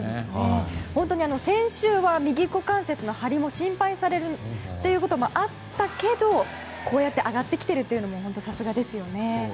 本当に先週は右股関節の張りが心配されたこともあったけどこうやって上がってきているのもさすがですよね。